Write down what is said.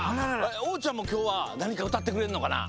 おうちゃんもきょうはなにかうたってくれるのかな？